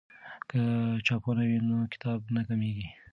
که چاپخونه وي نو کتاب نه کمېږي.